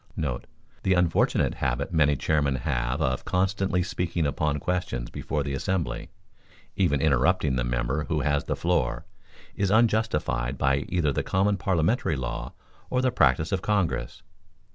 * [The unfortunate habit many chairmen have of constantly speaking upon questions before the assembly, even interrupting the member who has the floor, is unjustified by either the common parliamentary law, or the practice of Congress.